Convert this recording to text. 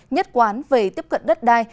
nhất quán về tiếp cận đất đai